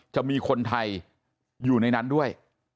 จะมีคนไทยอยู่ในนั้นด้วย